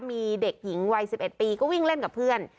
มีเด็กหญิงวัย๑๑ปีก็วิ่งเล่นกับเพื่อน